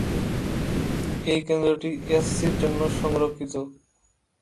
এই কেন্দ্রটি এসসি জন্য সংরক্ষিত।